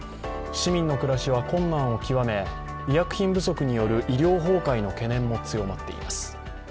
市民の暮らしは困難を極め医薬品不足による医療崩壊の懸念も強まっています。